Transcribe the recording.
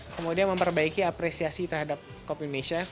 kemudian memperbaiki apresiasi terhadap kopi indonesia kualitas kopi